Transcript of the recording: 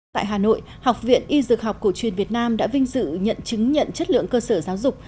tại hà nội học viện y dược học cổ truyền việt nam đã vinh dự nhận chứng nhận chất lượng cơ sở giáo dục